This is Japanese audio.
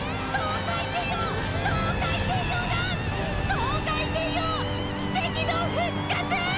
「トウカイテイオー奇跡の復活！」